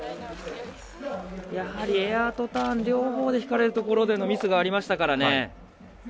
やはりエアとターン両方で引かれるところでのミスがありました。